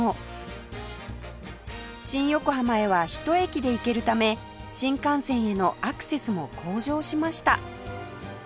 新横浜へは１駅で行けるため新幹線へのアクセスも向上しました